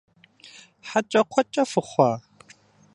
ХьэкӀэкхъуэкӀэ фыхъуа?!